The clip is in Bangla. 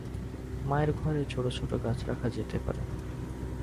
মায়ের ঘরে ছোট ছোট গাছ রাখা যেতে পারে।